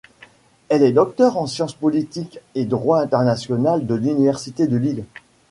Elle est docteur en sciences politiques et droit international de l'Université de Lille.